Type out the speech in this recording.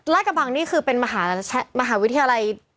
กระบังนี่คือเป็นมหาวิทยาลัย